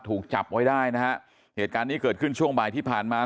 ถูกจับไว้ได้นะฮะเหตุการณ์นี้เกิดขึ้นช่วงบ่ายที่ผ่านมา